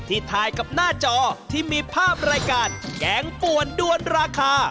ถ่ายกับหน้าจอที่มีภาพรายการแกงป่วนด้วนราคา